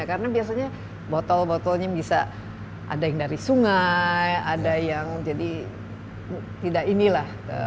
karena biasanya botol botolnya bisa ada yang dari sungai ada yang jadi tidak ini lah